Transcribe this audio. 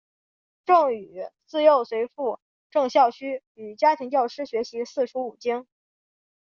郑禹自幼随父郑孝胥与家庭教师学习四书五经。